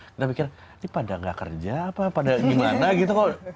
kita pikir ini pada nggak kerja apa pada gimana gitu kok